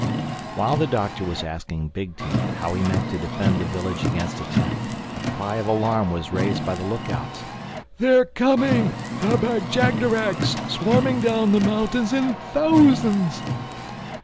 While the Doctor was asking Big Teeth how he meant to defend the village against attack, a cry of alarm was raised by the look outs. "They're coming!—The Bag jagderags—swarming down the mountains in thousands!"